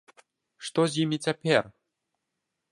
Што з імі цяпер?